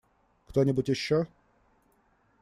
Кто-нибудь еще?